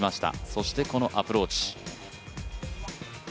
そしてこのアプローチ。